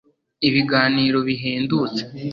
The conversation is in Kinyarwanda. ibiganiro bihendutse